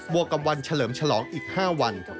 วกกับวันเฉลิมฉลองอีก๕วัน